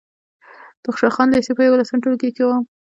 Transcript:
د خوشحال خان لېسې په یولسم ټولګي کې وم.